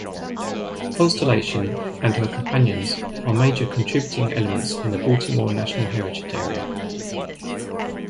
"Constellation" and her companions are major contributing elements in the Baltimore National Heritage Area.